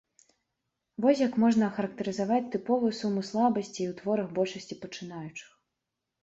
Вось як можна характарызаваць тыповую суму слабасцей у творах большасці пачынаючых.